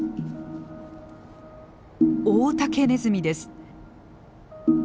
オオタケネズミです。